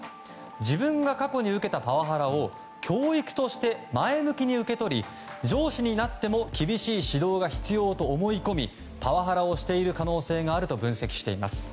自分が過去に受けたパワハラを教育として前向きに受け取り上司になっても厳しい指導が必要と思い込みパワハラをしている可能性があると分析しています。